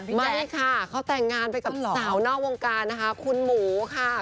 ไม่ค่ะเขาแต่งงานไปกับสาวนอกวงการนะคะคุณหมูค่ะ